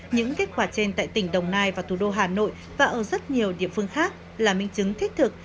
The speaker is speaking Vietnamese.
những kết quả trên tại tỉnh đồng nai và thủ đô hà nội và ở rất nhiều địa phương khác là minh chứng thích thực